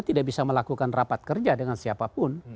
tidak bisa melakukan rapat kerja dengan siapapun